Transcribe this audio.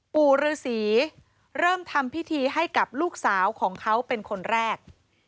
ปู่ฤษีเริ่มทำพิธีให้กับลูกสาวของเขาเป็นคนแรก